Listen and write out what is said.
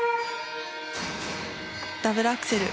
ダブルアクセル。